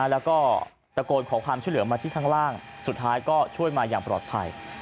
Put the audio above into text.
แล้วก็ตะโกนขอความช่วยเหลือมาที่ข้างล่างสุดท้ายก็ช่วยมาอย่างปลอดภัย